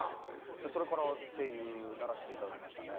それから声優ならせていただきましたね。